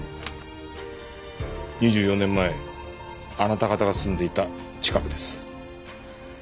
２４年前あなた方が住んでいた近くです。